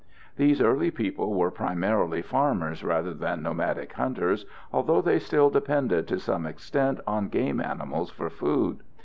These early people were primarily farmers rather than nomadic hunters, although they still depended to some extent on game animals for food.